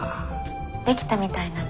できたみたいなの。